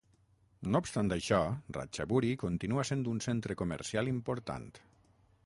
No obstant això, Ratchaburi continua sent un centre comercial important.